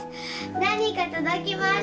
何か届きました！